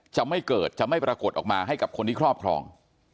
จะไม่เกิดจะไม่ปรากฏออกมาให้กับคนที่ครอบครอง